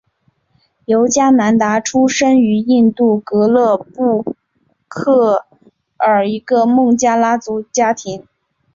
尤迦南达出生于印度戈勒克布尔一个孟加拉族家庭。